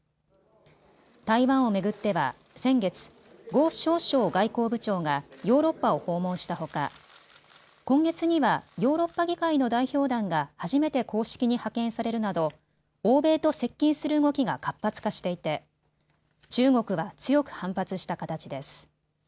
台湾を巡っては先月、呉しょう燮外交部長がヨーロッパを訪問したほか今月にはヨーロッパ議会の代表団が初めて公式に派遣されるなど欧米と接近する動きが活発化していて中国は強く反発した形です。